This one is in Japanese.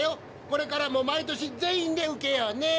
これからも毎年全員で受けようね。